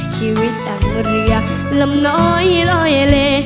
ชีวิตดังเรือลำน้อยลอยเล